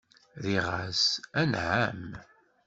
Rriɣ-as: Anɛam.